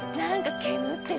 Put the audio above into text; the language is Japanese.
煙ってる。